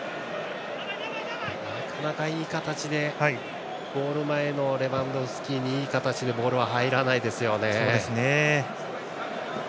なかなかゴール前のレバンドフスキにいい形でボールが入らないですね。